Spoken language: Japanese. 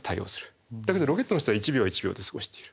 だけどロケットの人は１秒は１秒で過ごしている。